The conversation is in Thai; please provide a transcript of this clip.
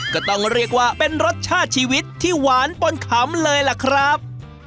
ก็ต้องเรียกว่าเป็นรสชาติชีวิตที่หวานปนขำเลยล่ะครับ